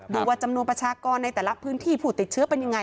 ดูว่าจำนวนประชากรในแต่ละพื้นที่ผู้ติดเชื้อเป็นยังไง